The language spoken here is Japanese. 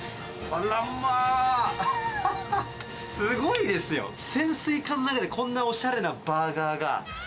あらまー、すごいですよ、潜水艦の中でこんなおしゃれなバーガーが。